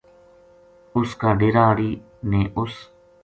اُس کا ڈیرا ہاڑی نے اُ س